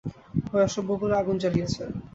ঐ অসভ্য গুলো আগুব জ্বালিয়েছে।